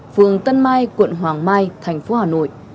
phường tân mai quận hoàng mai thành phố hà nội